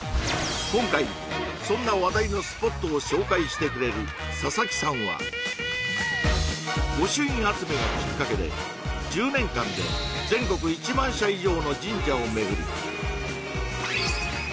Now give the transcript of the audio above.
今回そんな話題のスポットを紹介してくれる佐々木さんは御朱印集めがきっかけで１０年間で全国１万社以上の神社を巡り